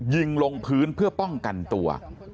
ยิงลงพื้นเพื่อป้องกันตัว